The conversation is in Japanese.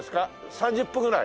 ３０分ぐらい？